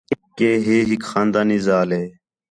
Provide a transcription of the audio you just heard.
کہ ہے ہِک خاندانی ذال ہے